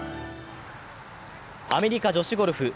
アメリカ女子ゴルフ。